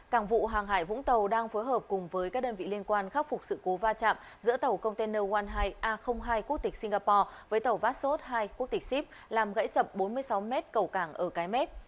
cảng vụ hàng hải vũng tàu đang phối hợp cùng với các đơn vị liên quan khắc phục sự cố va chạm giữa tàu container một hai a hai quốc tịch singapore với tàu vát sốt hai quốc tịch sip làm gãy sập bốn mươi sáu m cầu cảng ở cái mét